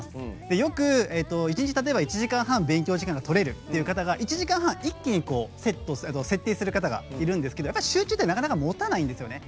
よく１日１時間半勉強時間が取れるという方が、１時間半全部設定する方がいらっしゃるんですが集中ってなかなかもたないんですよね。